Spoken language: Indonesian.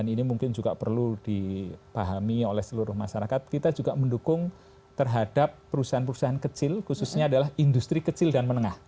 ini mungkin juga perlu dipahami oleh seluruh masyarakat kita juga mendukung terhadap perusahaan perusahaan kecil khususnya adalah industri kecil dan menengah